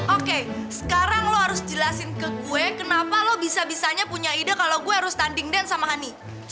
oke sekarang lo harus jelasin ke gue kenapa lo bisa bisanya punya ide kalau gue harus tanding dan sama hani